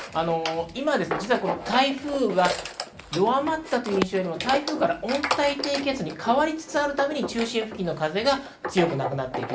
今、実は台風は弱まったという印象よりも台風から温帯低気圧に変わりつつあるために中心付近の風が強くなくなっている。